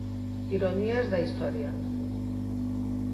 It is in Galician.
Ironías da historia.